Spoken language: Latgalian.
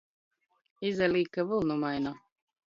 Izalīk, ka vylnu maina.